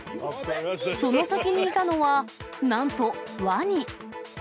その先にいたのは、なんとワニ。